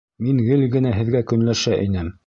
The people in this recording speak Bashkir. Мин гел генә һеҙгә көнләшә инем.